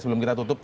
sebelum kita tutup